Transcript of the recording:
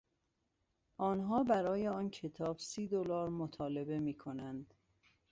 آنها برای آن کتاب سی دلار مطالبه میکنند.